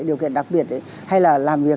điều kiện đặc biệt hay là làm việc